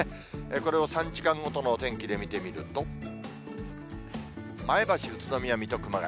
これを３時間ごとのお天気で見てみると、前橋、宇都宮、水戸、熊谷。